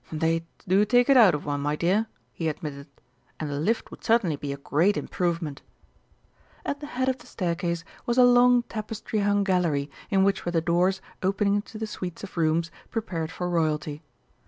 "They do take it out of one, my dear," he admitted. "And a lift would certainly be a great improvement." At the head of the staircase was a long tapestry hung gallery in which were the doors opening into the suites of rooms prepared for Royalty.